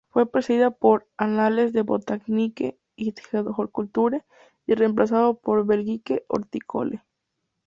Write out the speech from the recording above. Fue precedida por "Annales de botanique et d’horticulture" y reemplazado por "Belgique horticole".